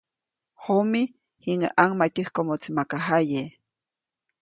Jomi, jiŋäʼ ʼaŋmatyäjkomoʼtsi maka jaye.